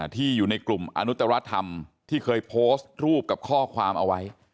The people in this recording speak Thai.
ที่อยู่ในกลุ่มอนุตรธรรมที่เคยโพสต์รูปกับข้อความเอาไว้